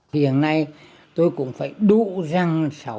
hiện nay tôi cũng phải đủ răng